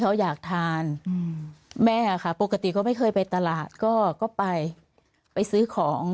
เขาอยากทานแม่ค่ะปกติเขาไม่เคยไปตลาดก็ไปไปซื้อของ